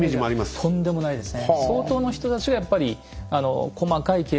とんでもないですね。